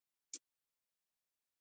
بدرنګه سلوک انسانیت وژني